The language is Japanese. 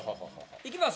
いきます